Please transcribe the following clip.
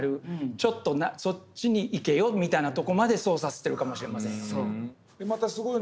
ちょっとそっちに行けよみたいなとこまで操作してるかもしれませんよね。